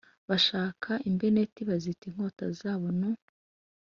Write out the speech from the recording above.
Bashaka imbeneti, bazita inkota zabo nu :